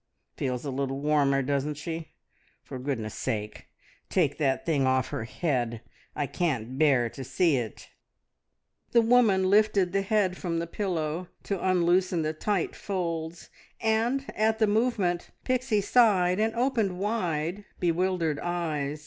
"Feels a little warmer, doesn't she? For goodness' sake, take that thing off her head, I can't bear to see it." The woman lifted the head from the pillow to unloosen the tight folds, and at the movement Pixie sighed, and opened wide, bewildered eyes.